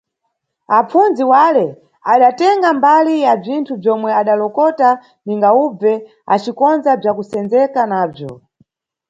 Apfundzi wale adatenga mbali ya bzinthu bzomwe adalokota ninga ubve acikondza bza kusendzeka nabzo.